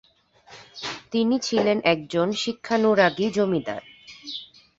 তিনি ছিলেন একজন শিক্ষানুরাগী জমিদার।